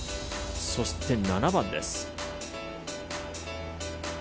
そして７番です。